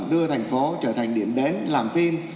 đưa thành phố trở thành điểm đến làm phim